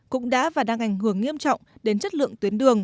cũng đã và đang ảnh hưởng nghiêm trọng đến chất lượng tuyến đường